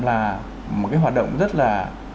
là một cái hoạt động rất là